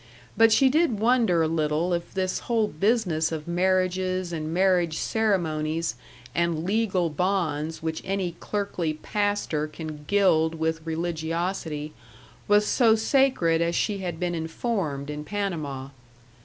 But she did wonder a little if this whole business of marriages and marriage ceremonies and legal bonds which any clerkly pastor can gild with religiosity was so sacred as she had been informed in Panama.